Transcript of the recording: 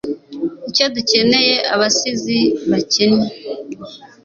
icyo dukeneye, abasizi bakennye